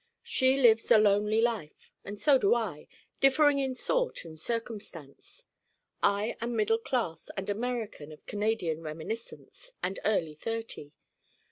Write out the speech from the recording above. She lives a lonely life and so do I, differing in sort and circumstance. I am middle class and American of Canadian reminiscence, and early thirty.